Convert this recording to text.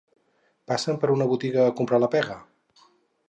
Passen per una botiga a comprar la pega?